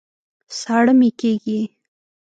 ساړه مي کېږي